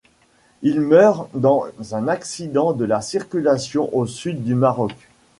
Il meurt dans un accident de la circulation au sud du Maroc.